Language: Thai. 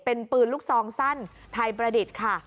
เป็นปืนลูกซองสั้นไทยประดิษฐ์ค่ะ